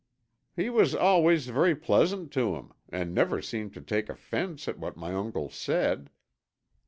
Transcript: "He was always very pleasant to him, and never seemed to take offense at what my uncle said."